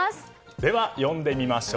では、呼んでみましょう。